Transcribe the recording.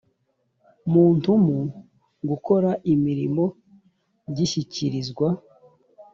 muntumu gukora imirimo gishyikirizwa